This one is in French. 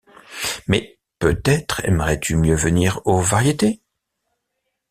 mais peut-être aimerais-tu mieux venir aux Variétés ?